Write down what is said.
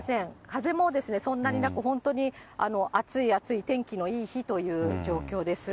風もそんなになく、本当に暑い暑い天気のいい日という状況です。